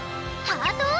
ハートを！